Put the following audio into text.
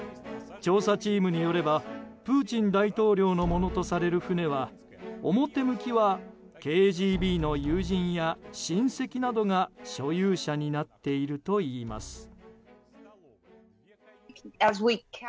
調査チームによればプーチン大統領のものとされる船は表向きはＫＧＢの友人や親戚などが所有者になっているといいます。